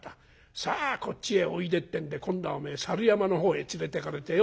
さあこっちへおいで』ってんで今度はおめえ猿山の方へ連れてかれてよ